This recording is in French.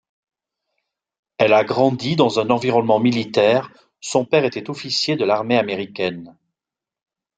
Elle a grandi dans un environnement militaire, son père était officier de l'Armée Américaine.